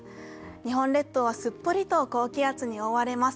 日本列島はすっぽりと高気圧に覆われます。